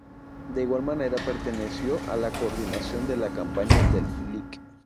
De igual manera, perteneció a la coordinación de la campaña del Lic.